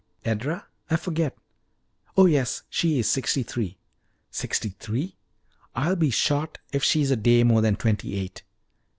"Edra? I forget. Oh yes; she is sixty three." "Sixty three! I'll be shot if she's a day more than twenty eight!